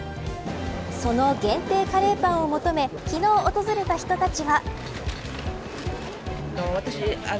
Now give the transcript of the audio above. その限定カレーパンを求め昨日を訪れた人たちは。